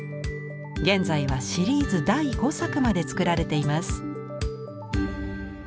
現在はシリーズ第５作まで作られています。